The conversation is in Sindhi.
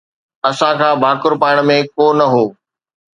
اسان کي ڀاڪر پائڻ ۾ ڪو نه هو